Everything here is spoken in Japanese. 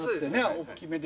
大きめで。